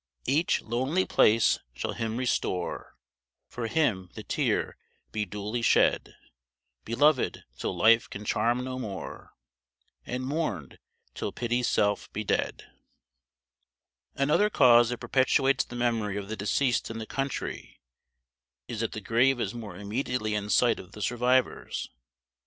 Each lonely place shall him restore, For him the tear be duly shed; Beloved till life can charm no more, And mourn'd till pity's self be dead. Another cause that perpetuates the memory of the deceased in the country is that the grave is more immediately in sight of the survivors.